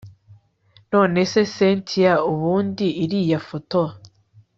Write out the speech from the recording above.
nonese cyntia ubundi iriya photo